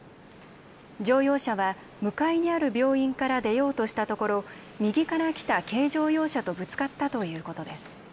乗用車は向かいにある病院から出ようとしたところ右から来た軽乗用車とぶつかったということです。